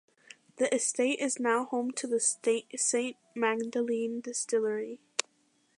The estate is now home to the St Magdalene distillery.